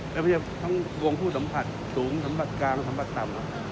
แล้วไม่ใช่ทั้งดวงผู้สัมผัสสูงสัมผัสกลางสัมผัสต่ำ